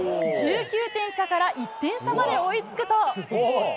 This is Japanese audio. １９点差から１点差まで追いつくと。